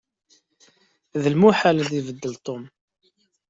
D lmuḥal ad ibeddel Tom.